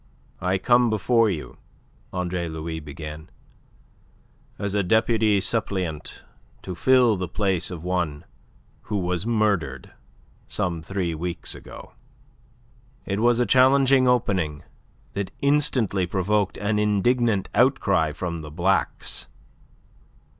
"I come before you," Andre Louis began, "as a deputy suppleant to fill the place of one who was murdered some three weeks ago." It was a challenging opening that instantly provoked an indignant outcry from the Blacks.